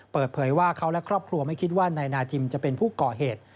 เปิดเผยว่าเขาและครอบครัวไม่คิดว่านายนาจิมจะเป็นผู้ก่อเหตุ